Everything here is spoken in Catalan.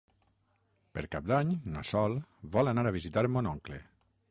Per Cap d'Any na Sol vol anar a visitar mon oncle.